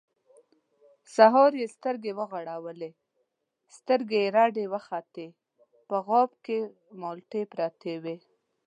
سهار يې سترګې ورغړولې، سترګې يې رډې راوختې، په غاب کې مالټې پرتې وې.